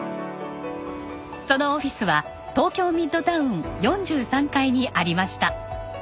そのオフィスは東京ミッドタウン４３階にありました。